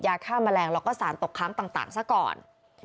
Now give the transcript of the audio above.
ยาฆ่าแมลงและสารตกค้ำต่างซะก่อน